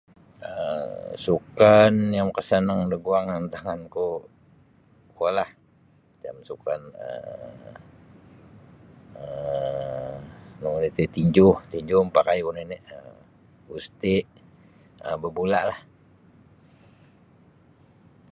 um Sukan yang makasanang da guang antangan ku kuo la macam sukan um nunu iti tinju tinju mapakai ku nini um gusti um babulalah.